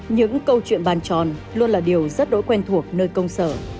những câu chuyện bàn tròn luôn là điều rất đỗi quen thuộc nơi công sở